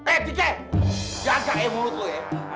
eh tika jaga eh mulut lo ya